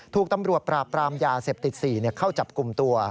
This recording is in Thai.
ถูกตำรวจปราบปรามยาเสพติด๔เข้าจับกลุ่มตัว